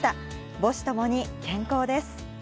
母子ともに健康です。